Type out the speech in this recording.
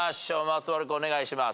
松丸君お願いします。